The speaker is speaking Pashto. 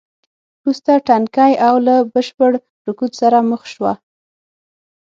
وروسته ټکنۍ او له بشپړ رکود سره مخ شوه.